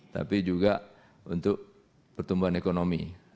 tapi juga untuk pertumbuhan ekonomi